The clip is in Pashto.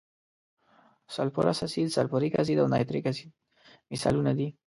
سلفورس اسید، سلفوریک اسید او نایتریک اسید مثالونه دي.